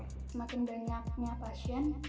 semakin banyaknya pasien